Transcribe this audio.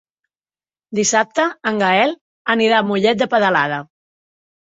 Dissabte en Gaël anirà a Mollet de Peralada.